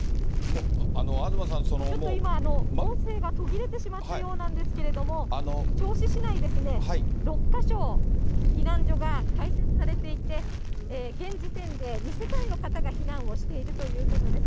ちょっと今、音声が途切れてしまったようなんですけれども、銚子市内、６か所、避難所が開設されていて、現時点で２世帯の方が避難をしているということです。